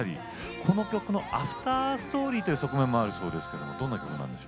この曲のアフターストーリーという側面もあるそうですね。